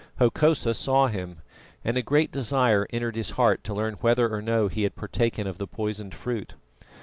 Hokosa saw him, and a great desire entered his heart to learn whether or no he had partaken of the poisoned fruit.